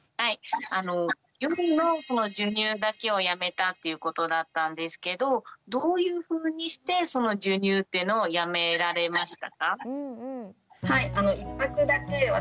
夜の授乳だけをやめたっていうことだったんですけどどういうふうにしてその授乳っていうのをやめられましたか？